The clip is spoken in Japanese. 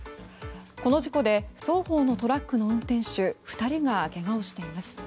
この事故で双方のトラックの運転手２人がけがをしています。